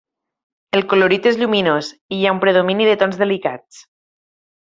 El colorit és lluminós i hi ha un predomini de tons delicats.